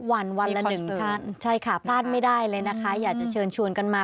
วันวันละหนึ่งท่านใช่ค่ะพลาดไม่ได้เลยนะคะอยากจะเชิญชวนกันมา